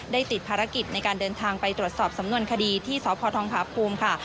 ติดภารกิจในการเดินทางไปตรวจสอบสำนวนคดีที่สพทองพาภูมิค่ะ